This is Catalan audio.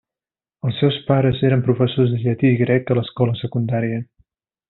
Els seus pares eren professors de llatí i grec a l’escola secundària.